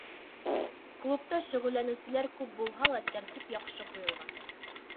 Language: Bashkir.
Клубта шөғөлләнеүселәр күп булһа ла, тәртип яҡшы ҡуйылған.